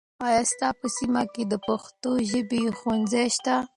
آیا ستا په سیمه کې د پښتو ژبې ښوونځي شته؟